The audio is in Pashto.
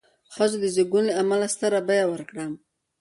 ښځو د زېږون له امله ستره بیه ورکړه.